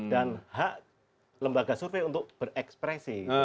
dan hak lembaga survei untuk berekspresi